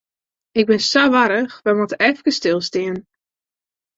Ik bin sa warch, wy moatte efkes stilstean.